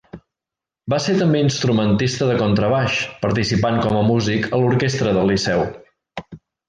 Va ser també instrumentista de contrabaix, participant com a músic a l'orquestra del Liceu.